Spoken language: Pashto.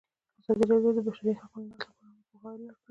ازادي راډیو د د بشري حقونو نقض لپاره عامه پوهاوي لوړ کړی.